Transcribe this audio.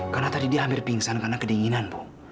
karena tadi dia hampir pingsan karena kedinginan bu